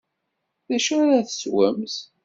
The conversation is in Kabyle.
D acu ara teswemt?